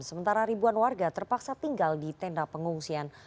sementara ribuan warga terpaksa tinggal di tenda pengungsian